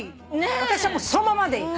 私はもうそのままでいい。